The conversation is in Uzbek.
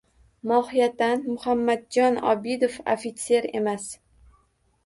Mohiyatan Muhammadjon Obidov ofitser emas